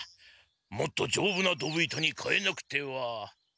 もっとじょうぶな溝板にかえなくては。